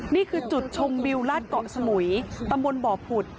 นี่คือจุดชมวิวลาดเกาะสมุยตำบลบ่อผุด